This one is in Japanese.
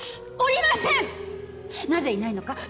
なぜいないのか？